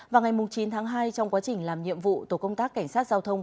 vào ngày chín tháng hai trong quá trình làm nhiệm vụ tổ công tác cảnh sát giao thông